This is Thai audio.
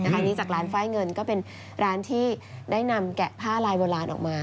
อันนี้จากร้านไฟล์เงินก็เป็นร้านที่ได้นำแกะผ้าลายโบราณออกมา